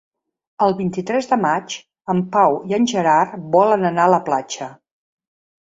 El vint-i-tres de maig en Pau i en Gerard volen anar a la platja.